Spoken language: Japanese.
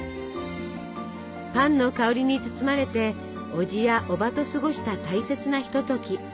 パンの香りに包まれておじやおばと過ごした大切なひととき。